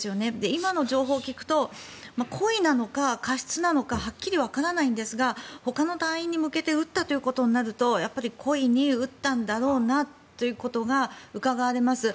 今の情報を聞くと故意なのか過失なのかはっきりわからないんですがほかの隊員に向けて撃ったとなると故意に撃ったんだろうなということがうかがわれます。